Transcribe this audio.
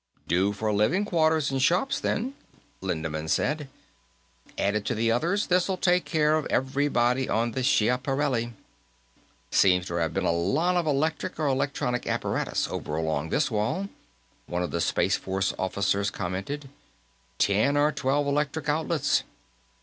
"Do for living quarters and shops, then," Lindemann said. "Added to the others, this'll take care of everybody on the Schiaparelli." "Seem to have been a lot of electric or electronic apparatus over along this wall," one of the Space Force officers commented. "Ten or twelve electric outlets."